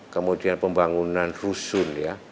kemudian pembangunan rusun ya